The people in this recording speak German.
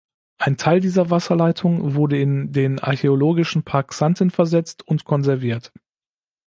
Ein Teil dieser Wasserleitung wurde in den Archäologischen Park Xanten versetzt und konserviert.